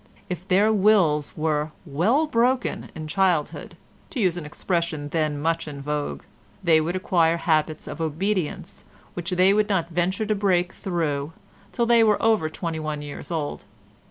If their wills were "well broken" in childhood, to use an expression then much in vogue, they would acquire habits of obedience which they would not venture to break through till they were over twenty one years old.